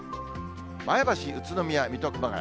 前橋、宇都宮、水戸、熊谷。